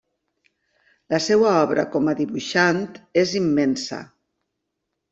La seva obra com a dibuixant és immensa.